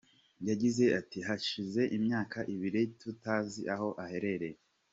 Yagize ati "Hashize imyaka ibiri tutazi aho aherereye.